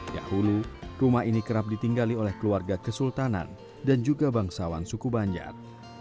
dahulu rumah ini kerap ditinggali oleh keluarga kesultanan dan juga bangsawan suku banjar